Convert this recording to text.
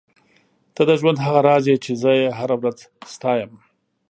ته د ژوند هغه راز یې چې زه یې هره ورځ ستایم.